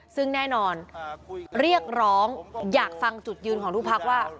ซึ่งแน่นอนเรียกร้องอยากฟังจุดยืนของทุกพักว่า